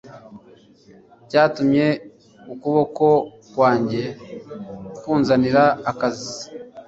cyatumye ukuboko kwanjye kunzanira agakiza